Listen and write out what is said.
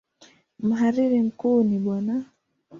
Mhariri mkuu ni Bw.